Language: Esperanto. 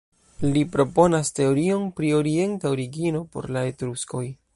Li proponas teorion pri orienta origino por la Etruskoj.